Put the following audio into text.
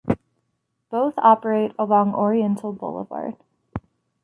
Both operate along Oriental Boulevard.